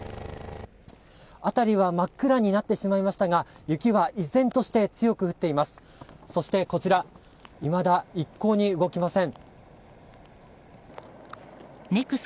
辺りは真っ暗になってしまいましたが雪は依然として強く降っています。